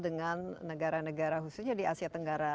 dengan negara negara khususnya di asia tenggara